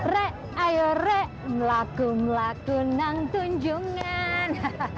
re ayo re melaku melaku nang tunjungan